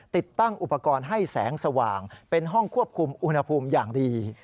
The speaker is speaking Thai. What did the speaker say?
ติดตั้งอุปกรณ์ให้แสงสว่างเป็นห้องควบคุมอุณหภูมิอย่างดี